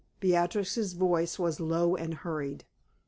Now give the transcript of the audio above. Beatrix's voice was low and hurried.